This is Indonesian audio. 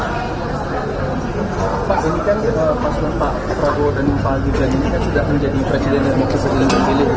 pak ini kan pas nampak prabowo dan pak aljibran ini sudah menjadi presidennya maksud sejalan jalan pilih